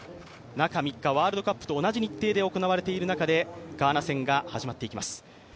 中３日、ワールドカップと同じ日程で行われている中でガーナ戦が始まっていきます。